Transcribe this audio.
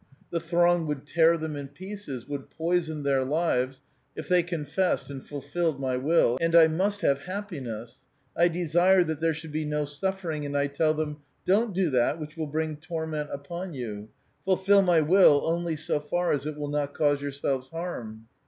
The throng would tear them in pieces, would poison their lives, if they confessed and fulfilled my will. And I must have happiness ; I desire that there should be no suffering, and I tell them, ' Don't do that which will bring torment upon you ; fulfil my will only so far as it will not cause yourselves harm.'